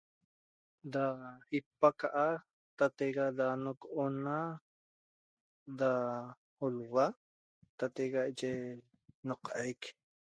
Da ipacaha tatexa da noco o'na da olhua tatexa naye nocaiq